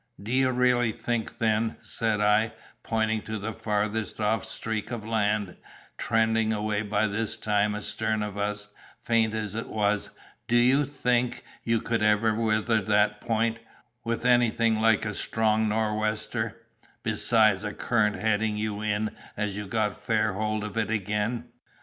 'D'ye really think, then,' said I, pointing to the farthest off streak of land, trending away by this time astern of us, faint as it was, 'do you think you could ever weather that point, with anything like a strong nor'wester, besides a current heading you in, as you got fair hold of it again?